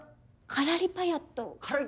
カラリパヤット？